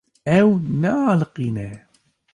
Ew nealiqîne.